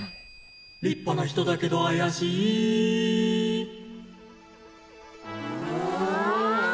「立派な人だけどあやしい」うわ。